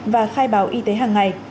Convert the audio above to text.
và khai báo y tế hàng ngày